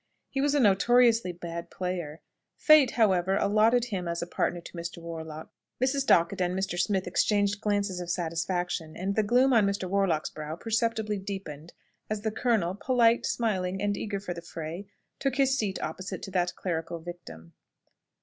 He was a notoriously bad player. Fate, however, allotted him as a partner to Mr. Warlock. Mrs. Dockett and Mr. Smith exchanged glances of satisfaction, and the gloom on Mr. Warlock's brow perceptibly deepened as the colonel, polite, smiling, and eager for the fray, took his seat opposite to that clerical victim.